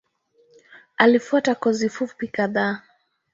Alifuata kozi fupi kadhaa.